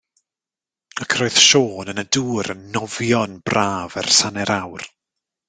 Ac yr oedd Siôn yn y dŵr yn nofio yn braf ers hanner awr.